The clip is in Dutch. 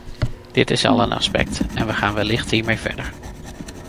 Dit is al een aspect, en we gaan wellicht hiermee verder.